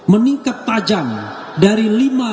meningkat tajam dari